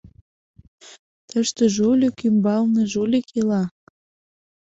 — Тыште жулик ӱмбалне жулик ила!